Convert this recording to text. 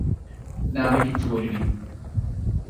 না, আমি কিছু বলিনি।